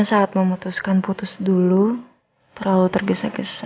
saat memutuskan putus dulu terlalu tergesa gesa